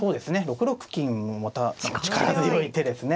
６六金もまた力強い手ですね。